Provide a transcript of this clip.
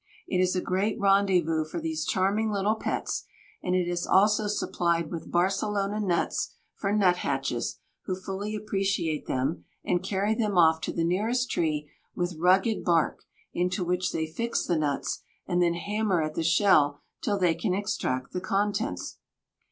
It is a great rendezvous for these charming little pets, and it is also supplied with Barcelona nuts for nuthatches, who fully appreciate them and carry them off to the nearest tree with rugged bark into which they fix the nuts, and then hammer at the shell till they can extract the contents.